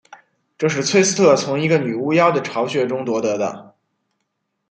这是崔斯特从一个女巫妖的巢穴中夺得的。